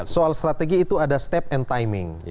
soal strategi itu ada step and timing